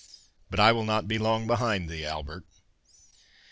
—But I will not be long behind thee, Albert."